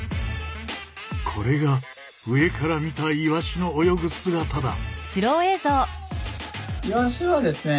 これが上から見たイワシの泳ぐ姿だ。